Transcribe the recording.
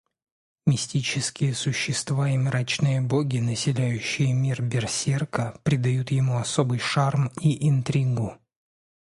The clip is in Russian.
Мистические существа и мрачные боги, населяющие мир Берсерка, придают ему особый шарм и интригу.